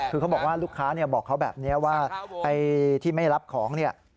คือเขาบอกว่าลูกค้าบอกเขาแบบนี้ว่าไอ้ที่ไม่รับของเนี่ย